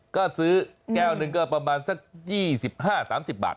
ก็ซื้อแก้วหนึ่งก็ประมาณสัก๒๕๓๐บาท